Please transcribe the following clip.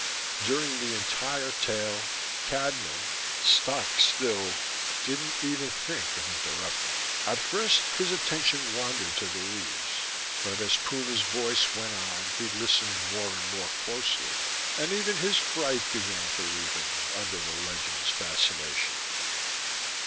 During the entire tale, Cadnan, stock still, didn't even think of interrupting. At first his attention wandered to the leaves, but as Puna's voice went on he listened more and more closely, and even his fright began to leave him under the legend's fascination.